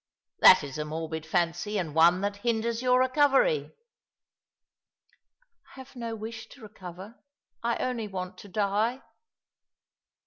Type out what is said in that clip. "That is a morbid fancy, and one that hinders yoni recovery." " I have no wish to recoyer. I only want to die."